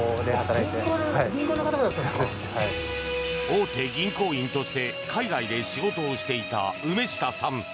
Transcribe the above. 大手銀行員として、海外で仕事をしていた梅下さん。